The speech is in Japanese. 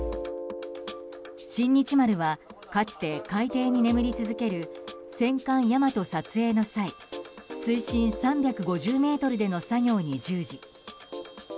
「新日丸」はかつて海底に眠り続ける戦艦「大和」撮影の際水深３５０ｍでの作業に従事。